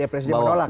presiden menolak ya